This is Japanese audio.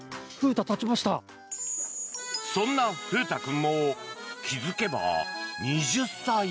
そんな風太君も気付けば２０歳。